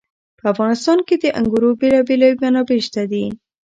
په افغانستان کې د انګورو بېلابېلې منابع شته دي.